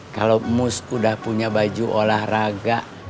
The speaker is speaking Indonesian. kalau mus udah punya baju olahraga